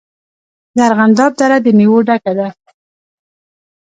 د ارغنداب دره د میوو ډکه ده.